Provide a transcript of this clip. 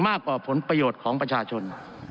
มากกว่าผลประโยชน์ของประชาชน